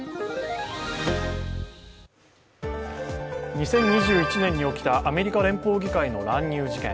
２０２１年に起きたアメリカ連邦議会の乱入事件。